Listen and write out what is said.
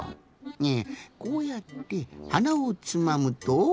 ねえこうやってはなをつまむと。